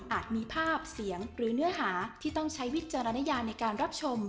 มีภาพเสียงหรือเนื้อหาที่ต้องใช้วิจารณญาในการรับชม